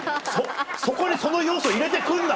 そこにその要素入れて来んな！